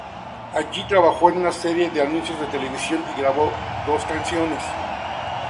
Allí trabajó en una serie de anuncios de televisión y grabó dos canciones.